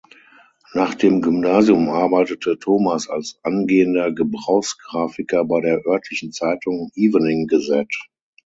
Nach dem Gymnasium arbeitete Thomas als angehender Gebrauchsgrafiker bei der örtlichen Zeitung "Evening Gazette".